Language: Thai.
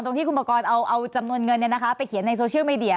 ตรงที่คุณปกรณ์เอาจำนวนเงินไปเขียนในโซเชียลไมเดีย